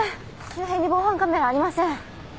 周辺に防犯カメラはありません。